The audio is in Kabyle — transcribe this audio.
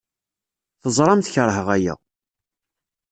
Teẓramt keṛheɣ aya.